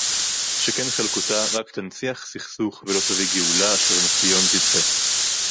שכן חלוקתה רק תנציח סכסוך ולא תביא גאולה אשר מציון תצא